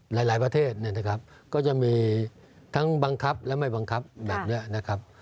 หลายประเทศเนี่ยนะครับก็จะมีทั้งบังคับและไม่บังคับแบบนี้นะครับ